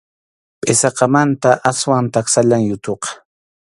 Pʼisaqmanta aswan taksallam yuthuqa.